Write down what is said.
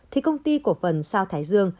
thì công ty cổ phần sao thái dương